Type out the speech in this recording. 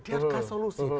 dia kasih solusi